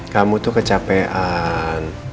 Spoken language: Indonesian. kamu tuh kecapean